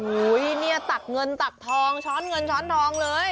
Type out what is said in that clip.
เนี่ยตักเงินตักทองช้อนเงินช้อนทองเลย